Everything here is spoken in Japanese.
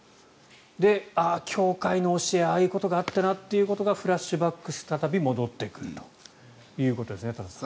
ああ、教会の教えああいうことがあったなとフラッシュバックして再び戻ってくるということですね。